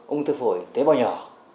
ung thư phổi tế bào nhỏ